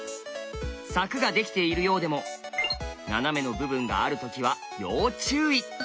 柵ができているようでも斜めの部分がある時は要注意！